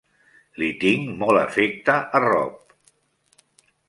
Li tinc molt afecte a Rob.